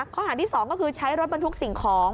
ข้อหาที่๒ก็คือใช้รถบรรทุกสิ่งของ